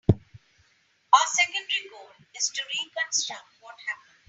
Our secondary goal is to reconstruct what happened.